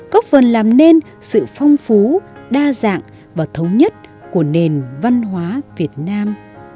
có phần làm nên sự phong phú đa dạng và thống nhất của nền văn hóa việt nam